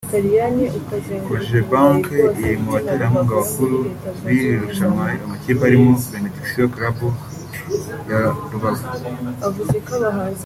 Cogebangue iri mu baterankunga bakuru b’iri rushanwa Ayo makipe arimo Benediction Club ya Rubavu